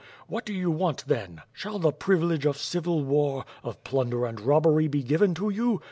What do you want then? Shall the privilege of civil war, of plunder and robbery be given to you.